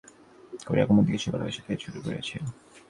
তাছাড়া, এতদিনে আবার যেন নূতন করিয়া কুমুদকে সে ভালোবাসিতে শুরু করিয়াছে।